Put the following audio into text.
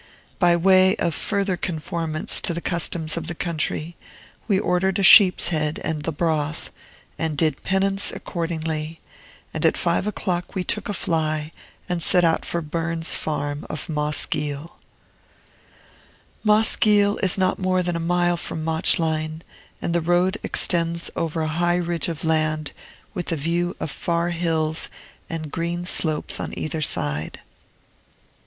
By way of further conformance to the customs of the country, we ordered a sheep's head and the broth, and did penance accordingly; and at five o'clock we took a fly, and set out for Burns's farm of Moss Giel. Moss Giel is not more than a mile from Mauchline, and the road extends over a high ridge of land, with a view of far hills and green slopes on either side.